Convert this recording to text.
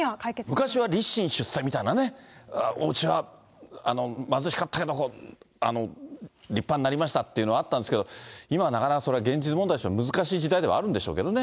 昔は立身出世みたいなね、おうちは貧しかったけど、立派になりましたっていうのあったんですけど、今はなかなか現実問題として難しい時代ではあるんでしょうけどね。